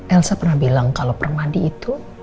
elsa pernah bilang kalau permadi itu